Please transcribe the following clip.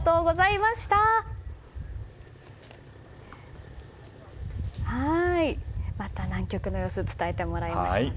また南極の様子を伝えてもらいましょうね。